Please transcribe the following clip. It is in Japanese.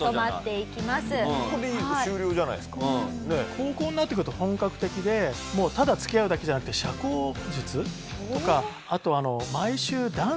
高校になってくると本格的でもうただ付き合うだけじゃなくて社交術とかあとあの。